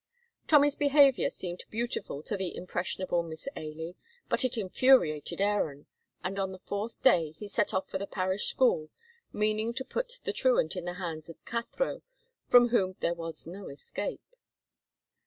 Tommy's behavior seemed beautiful to the impressionable Miss Ailie, but it infuriated Aaron, and on the fourth day he set off for the parish school, meaning to put the truant in the hands of Cathro, from whom there was no escape.